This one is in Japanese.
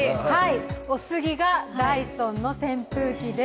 お次がダイソンの扇風機です。